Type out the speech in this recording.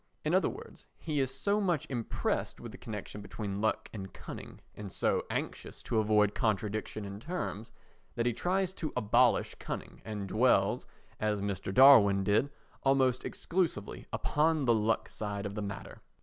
In other words, he is so much impressed with the connection between luck and cunning, and so anxious to avoid contradiction in terms, that he tries to abolish cunning, and dwells, as Mr. Darwin did, almost exclusively upon the luck side of the matter.